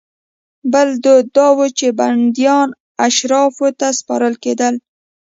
بل دود دا و چې بندیان اشرافو ته سپارل کېدل.